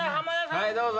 はいどうぞ。